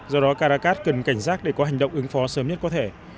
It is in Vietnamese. do đó caracas cần cảnh giác để có hành động ứng phó sớm nhất có thể